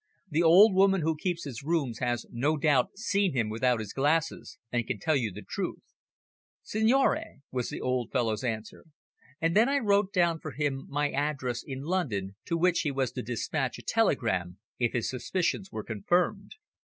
The old woman who keeps his rooms has no doubt seen him without his glasses, and can tell you the truth." "Signore," was the old fellow's answer. And I then wrote down for him my address in London to which he was to dispatch a telegram if his suspicions were confirmed.